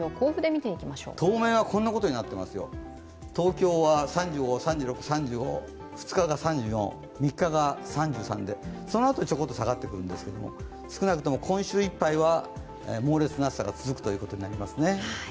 当面は東京は３５、３６、３５、２日が３４、３日が３３で、その後、ちょっと下ってくるんですが、少なくとも今週いっぱいは猛烈な暑さが続くということになりますね。